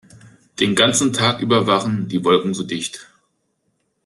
Den ganzen Tag über waren die Wolken so dicht.